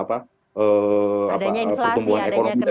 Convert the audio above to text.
adanya inflasi adanya kenaikan komponen ya